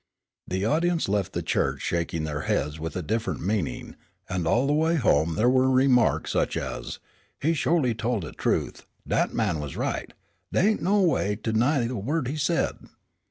The audience left the church shaking their heads with a different meaning, and all the way home there were remarks such as, "He sholy tol' de truth," "Dat man was right," "They ain't no way to 'ny a word he said."